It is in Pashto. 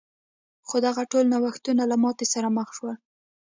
خو دغه ټول نوښتونه له ماتې سره مخ شول.